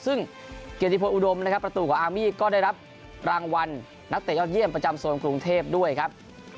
ซึ่งเกียรติพลอุดมนะครับประตูของอาร์มี่ก็ได้รับรางวัลนักเตะยอดเยี่ยมประจำโซนกรุงเทพด้วยครับ